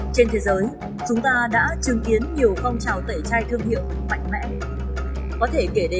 tại việt nam cũng từng diễn ra nhiều cuộc tẩy chay nhãn hạng thương hiệu